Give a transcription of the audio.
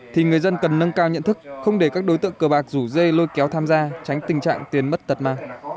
thì người dân cần nâng cao nhận thức không để các đối tượng cờ bạc rủ dê lôi kéo tham gia tránh tình trạng tiền mất tật mà